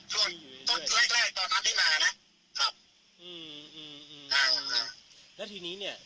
ส่วนต้นแรกแรกตอนนั้นที่มานะครับอืมอืมอ่าแล้วทีนี้เนี้ย